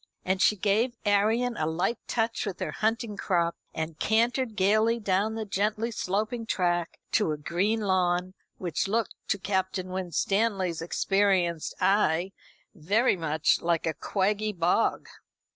And she gave Arion a light touch with her hunting crop, and cantered gaily down the gently sloping track to a green lawn, which looked, to Captain Winstanley's experienced eye, very much like a quaggy bog.